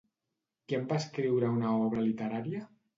Qui en va escriure una obra literària?